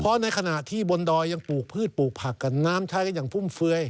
เพราะในขณะที่บนดอยยังปลูกพืชปลูกผักกันน้ำใช้กันอย่างฟุ่มเฟือย